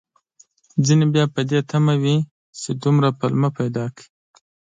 ځينې بيا په دې تمه وي، چې دومره پلمه پيدا کړي